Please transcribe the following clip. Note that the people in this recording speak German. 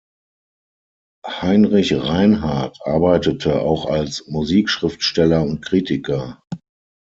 Heinrich Reinhardt arbeitete auch als Musikschriftsteller und -Kritiker.